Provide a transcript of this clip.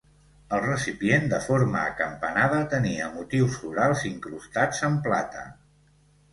El recipient, de forma acampanada, tenia motius florals incrustats en plata.